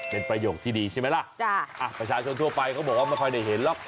เป็นประโยคที่ดีใช่ไหมล่ะประชาชนทั่วไปเขาบอกว่าไม่ค่อยได้เห็นหรอก